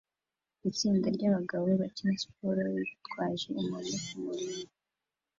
Itsinda ryabagabo bakina siporo bitwaje inkoni kumurima